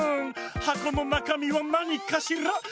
「はこのなかみはなにかしら？」